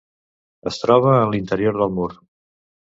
Es troba en l'interior del mur.